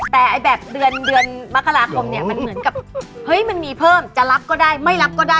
แต่แบบเดือนเดือนมกราคมเนี่ยมันเหมือนกับเฮ้ยมันมีเพิ่มจะรับก็ได้ไม่รับก็ได้